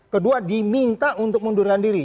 kedua diminta untuk mundurkan diri